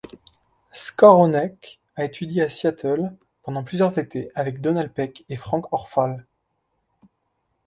Skowronek a étudié à Seattle pendant plusieurs étés avec Donald Peck et Frank Horsfall.